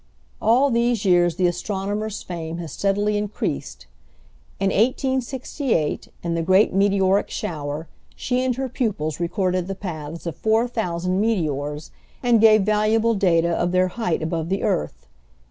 All these years the astronomer's fame has steadily increased. In 1868, in the great meteoric shower, she and her pupils recorded the paths of four thousand meteors, and gave valuable data of their height above the earth.